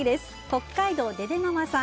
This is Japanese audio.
北海道の方。